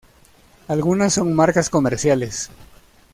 Algunas son marcas comerciales.